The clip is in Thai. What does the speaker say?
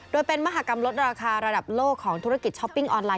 โดยเป็นมหากรรมลดราคาระดับโลกของธุรกิจช้อปปิ้งออนไลน